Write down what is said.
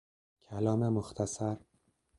کلام مختصر